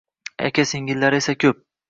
Aka-singillari esa ko’p.